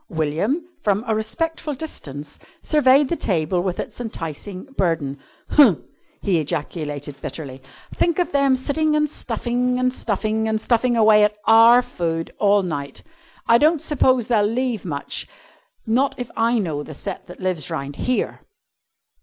William, from a respectful distance, surveyed the table with its enticing burden. "Huh!" he ejaculated bitterly, "think of them sitting and stuffing, and stuffing, and stuffing away at our food all night! I don't suppose they'll leave much not if I know the set that lives round here!"